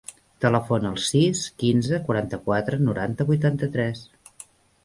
Telefona al sis, quinze, quaranta-quatre, noranta, vuitanta-tres.